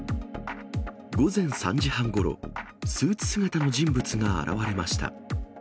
午前３時半ごろ、スーツ姿の人物が現れました。